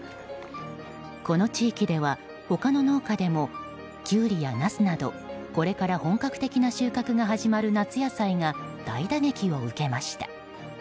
この地域では、他の農家でもキュウリやナスなどこれから本格的な収穫が始まる夏野菜が大打撃を受けました。